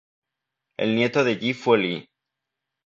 El nieto de Yi fue Li.